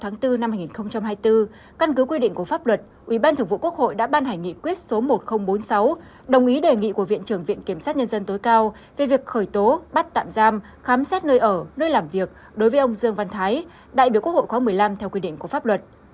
ngày bốn hai nghìn hai mươi bốn căn cứ quy định của pháp luật ủy ban thường vụ quốc hội đã ban hành nghị quyết số một nghìn bốn mươi sáu đồng ý đề nghị của viện trưởng viện kiểm sát nhân dân tối cao về việc khởi tố bắt tạm giam khám xét nơi ở nơi làm việc đối với ông dương văn thái đại biểu quốc hội khóa một mươi năm theo quy định của pháp luật